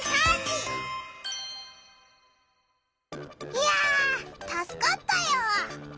いやたすかったよ。